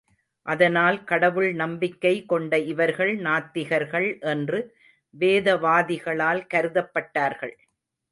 அதனால் கடவுள் நம்பிக்கை கொண்ட இவர்கள் நாத்திகர்கள் என்று வேதவாதிகளால் கருதப்பட்டார்கள்.